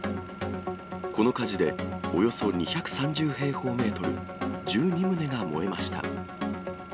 この火事で、およそ２３０平方メートル、１２棟が燃えました。